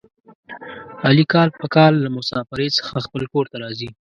علي کال په کال له مسافرۍ څخه خپل کورته راځي.